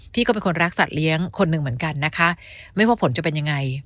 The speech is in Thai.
ก็เป็นคนรักสัตว์เลี้ยงคนหนึ่งเหมือนกันนะคะไม่ว่าผลจะเป็นยังไง